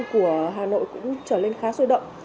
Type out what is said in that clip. của hà nội cũng trở lên khá sôi động